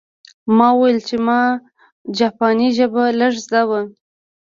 ما وویل چې ما جاپاني ژبه لږه زده وه